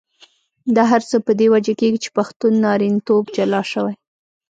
دا هر څه په دې وجه کېږي چې پښتون نارینتوب جلا شوی.